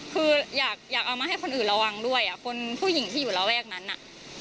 คืออยากเอามาให้คนอื่นระวังด้วยอ่ะคนผู้หญิงที่อยู่ระแวกนั้นน่ะ